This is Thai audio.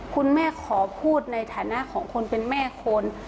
คุณแม่ขอพูดในฐานะของคนเป็นแม่คน